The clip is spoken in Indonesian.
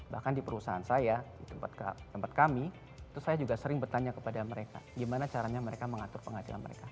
bahkan di perusahaan saya di tempat kami itu saya juga sering bertanya kepada mereka gimana caranya mereka mengatur penghasilan mereka